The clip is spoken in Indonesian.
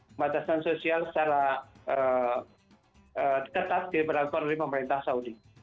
pembatasan sosial secara tetap diperlakukan oleh pemerintah saudi